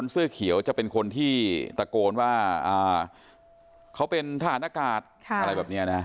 เสื้อเขียวจะเป็นคนที่ตะโกนว่าเขาเป็นทหารอากาศอะไรแบบนี้นะ